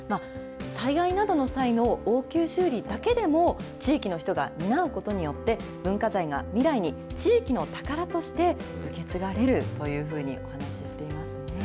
災害などの際の応急修理だけでも、地域の人が担うことによって文化財が未来に地域の宝として受け継がれるというふうにお話ししていますね。